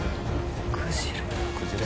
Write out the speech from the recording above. クジラ。